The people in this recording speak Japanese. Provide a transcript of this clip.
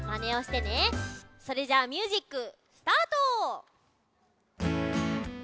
それじゃあミュージックスタート！